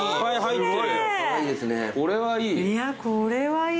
これはいい。